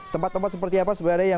tempat tempat seperti apa sebenarnya yang